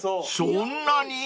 ［そんなに？］